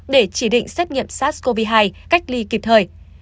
để chỉ định xét nghiệm sars cov hai cách ly kịp thời